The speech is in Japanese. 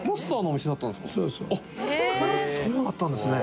そうだったんですね。